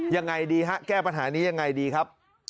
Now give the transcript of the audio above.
ยังไงดีฮะแก้ปัญหานี้ยังไงดีครับ